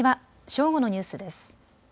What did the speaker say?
正午のニュースです。